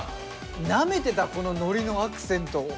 なめてたこののりのアクセントを。